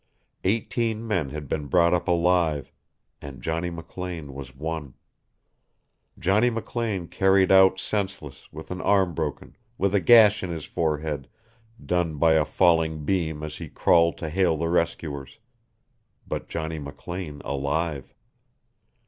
Eighteen men had been brought up alive, and Johnny McLean was one. Johnny McLean carried out senseless, with an arm broken, with a gash in his forehead done by a falling beam as he crawled to hail the rescuers but Johnny McLean alive.